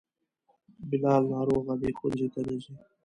بلال ناروغه دی, ښونځي ته نه ځي